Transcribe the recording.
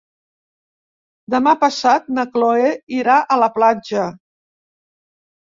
Demà passat na Chloé irà a la platja.